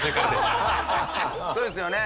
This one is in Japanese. そうですよね。